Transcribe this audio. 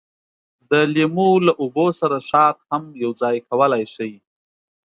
د لیمو له اوبو سره شات هم یوځای کولای شئ.